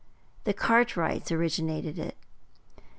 The Cartwrights originated it.